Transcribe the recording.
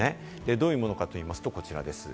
どういうものかといいますと、こちらです。